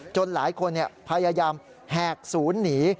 หลายคนพยายามแหกศูนย์หนี